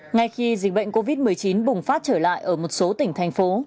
ngay khi dịch bệnh covid một mươi chín bùng phát trở lại ở một số tỉnh thành phố